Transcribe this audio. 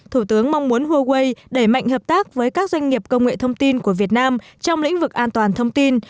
thủ tướng mong muốn huawei đẩy mạnh hợp tác với các doanh nghiệp công nghệ thông tin của việt nam trong lĩnh vực an toàn thông tin